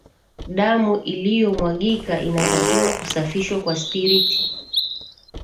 damu iliyomwagika inatakiwa kusafishwa kwa spiriti